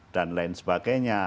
dan lain sebagainya